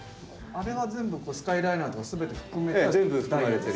あれは全部スカイライナーとか全て含めて？